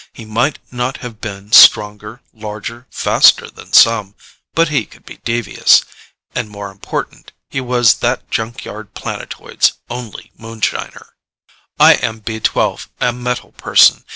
He might not have been stronger, larger, faster than some ... but he could be devious ... and more important, he was that junkyard planetoid's only moonshiner._ I am B 12, a metal person.